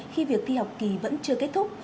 khi việc thi học kỳ vẫn chưa kết thúc